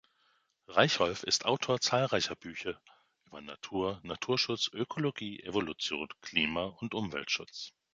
Reichholf ist Autor zahlreicher Bücher über Natur und Naturschutz, Ökologie, Evolution, Klima- und Umweltschutz.